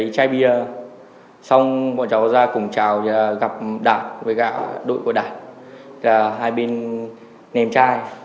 cái bìa xong bọn cháu ra cùng chào gặp đạt với cả đội của đạt hai bên ném chai